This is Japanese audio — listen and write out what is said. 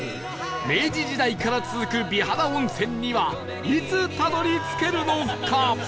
明治時代から続く美肌温泉にはいつたどり着けるのか？